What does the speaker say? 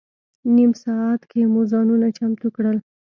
نیم ساعت کې مو ځانونه چمتو کړل.